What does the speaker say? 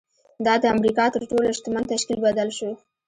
دا د امریکا تر تر ټولو شتمن تشکیل بدل شو